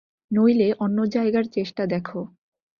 নইলে অন্য জায়গার চেষ্টা দেখ।